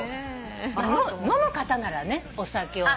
飲む方ならねお酒を。